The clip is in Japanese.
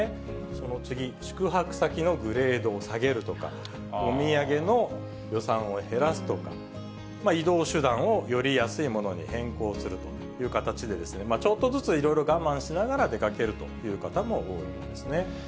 その次、宿泊先のグレードを下げるとか、お土産の予算を減らすとか、移動手段をより安いものに変更するという形で、ちょっとずついろいろ我慢しながら出かけるという方も多いんですね。